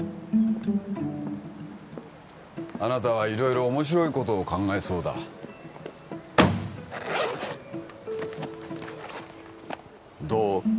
あなたは色々面白いことを考えそうだどう？